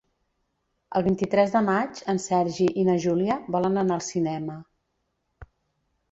El vint-i-tres de maig en Sergi i na Júlia volen anar al cinema.